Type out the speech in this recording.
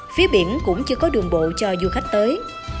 phía biển cũng chưa có đường bộ cho du khách tới